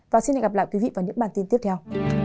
và xin được gặp lại quý vị vào những bản tin tiếp theo